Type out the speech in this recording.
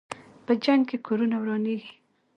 په جنګ کې کورونه ورانېږي.